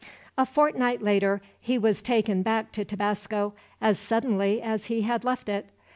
A fortnight later he was taken back to Tabasco, as suddenly as he had left it.